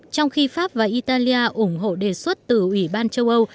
trong khi pháp và italia ủng hộ đề xuất từ ủy ban châu âu